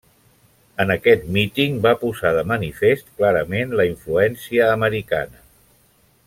En aquest míting va posar de manifest clarament la influència americana.